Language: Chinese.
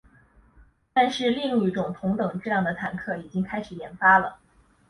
但是另一种同等重量的坦克已经开始研发了。